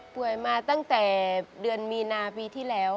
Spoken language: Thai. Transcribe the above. ป่วยมาตั้งแต่เดือนมีนาปีที่แล้วค่ะ